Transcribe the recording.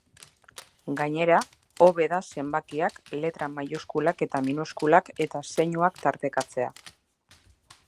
Gainera, hobe da zenbakiak, letra maiuskulak eta minuskulak eta zeinuak tartekatzea.